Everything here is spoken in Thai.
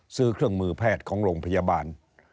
ซื้อเครื่องมือแพทย์ของโรงพยาบาล